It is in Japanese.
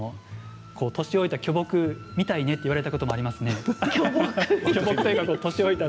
年老いた巨木みたいと言われたこともあります。